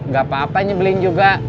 gak apa apa nyebelin juga